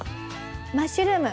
マッシュルーム。